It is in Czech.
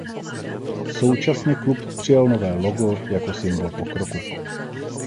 Současně klub přijal nové logo jako symbol pokroku.